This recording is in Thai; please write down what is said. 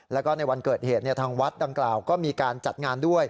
แล้วก็ในวันเกิดเหตุทางวัดดังกล่าวก็มีการจัดงานด้วย